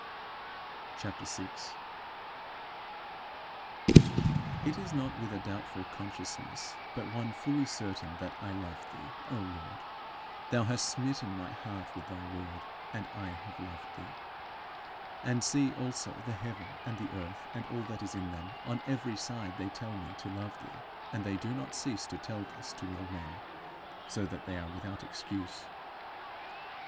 CHAPTER VI 8. It is not with a doubtful consciousness, but one fully certain that I love thee, O Lord. Thou hast smitten my heart with thy Word, and I have loved thee. And see also the heaven, and earth, and all that is in them on every side they tell me to love thee, and they do not cease to tell this to all men, "so that they are without excuse."